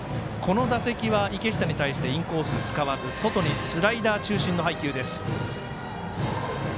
この打席は池下に対してインコース使わず外、スライダー中心の配球。